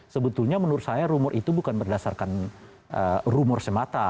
sebetulnya menurut saya rumor itu bukan berdasarkan rumor semata